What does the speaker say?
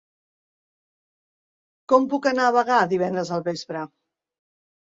Com puc anar a Bagà divendres al vespre?